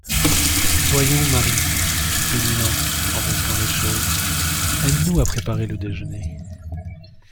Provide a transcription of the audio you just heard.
Voyons, Marie, dit Penellan, en brusquant les choses, aide-nous à préparer le déjeuner.